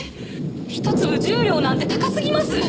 １粒１０両なんて高すぎます